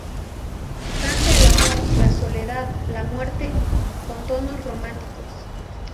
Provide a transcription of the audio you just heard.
Canta el amor, la soledad, la muerte, con tonos románticos.